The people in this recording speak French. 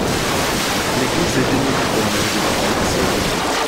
L'église est démolie pendant la Révolution française.